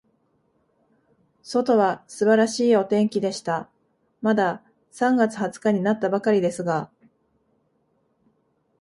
外は素晴らしいお天気でした。まだ三月二十日になったばかりですが、